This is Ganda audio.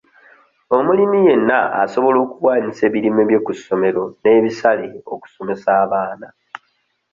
Omulimi yenna asobola okuwaanyisa ebirime bye ku ssomero n'ebisale okusomesa abaana.